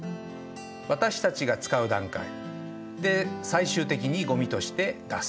私たちがつかう段階。で最終的にごみとして出す。